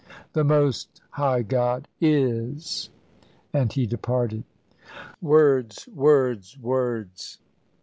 The Most High God IS," and he departed. "Word! words! words!"